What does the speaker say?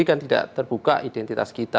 kan tidak terbuka identitas kita